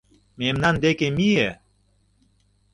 Мемнан дек мие!